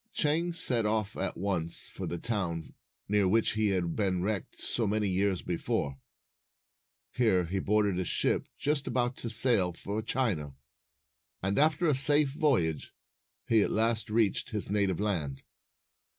Chang set off at once for the town, near which he had been wrecked so many years before. Here he boarded a ship just about to sail for China, and, after a safe voyage, he at last reached his native land.